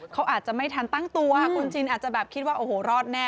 เขาอาจจะไม่ทันตั้งตัวคุณชินอาจจะแบบคิดว่าโอ้โหรอดแน่